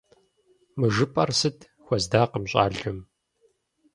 — Мы жыпӀэр сыт? — хуэздакъым щӀалэм.